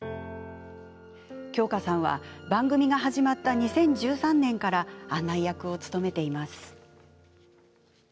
京香さんは番組が始まった２０１３年から案内役を務めています。